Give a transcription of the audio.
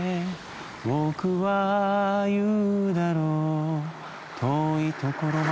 「ぼくは言うだろう」「遠いところまで」